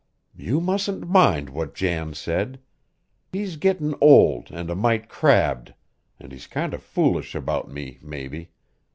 "You mustn't mind what Jan said. He's gettin' old an' a mite crabbed, an' he's kinder foolish about me, mebbe.